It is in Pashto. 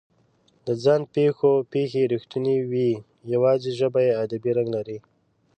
د ځان پېښو پېښې رښتونې وي، یواځې ژبه یې ادبي رنګ لري.